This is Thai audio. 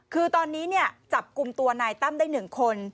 คือตอนนี้จับกลุ่มตัวนายตั้มได้๑คน